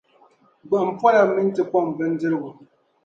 Gbuɣim’ pola min ti kɔŋ bindirigu.